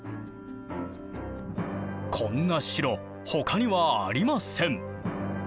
こんな城他にはありません。